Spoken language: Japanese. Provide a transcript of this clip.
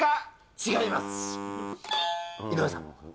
違います。